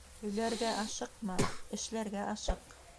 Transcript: Һөйләргә ашыҡма, эшләргә ашыҡ.